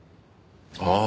ああ